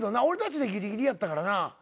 俺たちでぎりぎりやったからな。